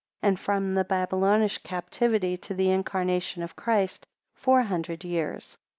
And from the Babylonish captivity to the incarnation of Christ, four hundred years.